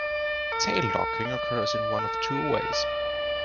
Tail docking occurs in one of two ways.